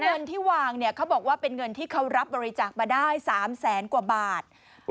เงินที่วางเนี่ยเขาบอกว่าเป็นเงินที่เขารับบริจาคมาได้๓แสนกว่าบาท